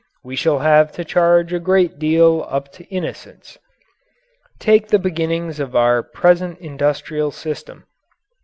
We shall have to charge a great deal up to innocence. Take the beginnings of our present industrial system.